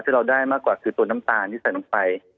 เราได้มากกว่าคือตัวน้ำตาลที่ใส่ลงไป